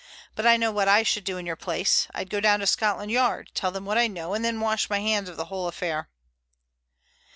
"But I know what I should do in your place. I'd go down to Scotland Yard, tell them what I know, and then wash my hands of the whole affair."